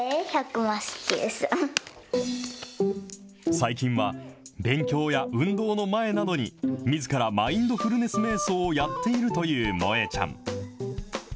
最近は、勉強や運動の前などにみずからマインドフルネスめい想をやっているという百恵ちゃん。